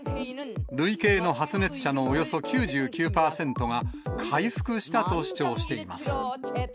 累計の発熱者のおよそ９９％が、回復したと主張しています。